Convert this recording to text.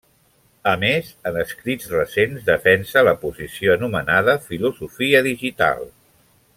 A més, en escrits recents, defensa la posició anomenada filosofia digital.